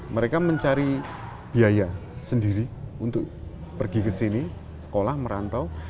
mereka mencari biaya sendiri untuk pergi ke sini sekolah merantau